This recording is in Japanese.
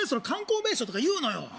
観光名所とか言うのよ